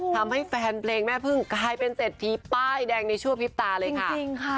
ทำให้แฟนเพลงแม่พึ่งกลายเป็นเศรษฐีป้ายแดงในชั่วพริบตาเลยค่ะจริงค่ะ